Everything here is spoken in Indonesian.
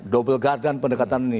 double guard dan pendekatan ini